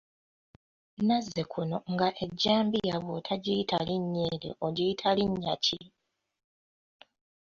Nazzi kuno nga ejjambiya bw'otogiyita linnya eryo ogiyita linnya ki?